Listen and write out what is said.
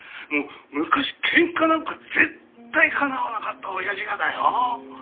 昔ケンカなんか絶対かなわなかった親父がだよ？